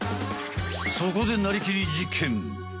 そこでなりきり実験！